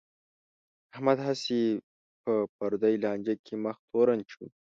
احمد هسې په پردی لانجه کې مخ تورن شو.